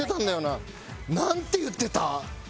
なんて言ってた？